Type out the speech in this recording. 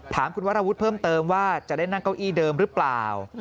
ถามคุณวรวุฒิเพิ่มเติมว่าจะได้นั่งเก้าอี้เดิมหรือเปล่า